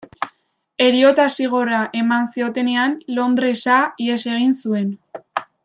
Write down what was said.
Heriotza-zigorra eman ziotenean, Londresa ihes egin zuen.